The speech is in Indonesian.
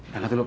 jalan dulu pak